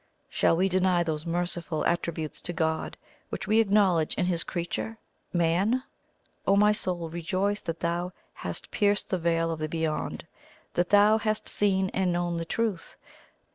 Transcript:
Shall we deny those merciful attributes to God which we acknowledge in His creature, Man? O my Soul, rejoice that thou hast pierced the veil of the Beyond; that thou hast seen and known the Truth!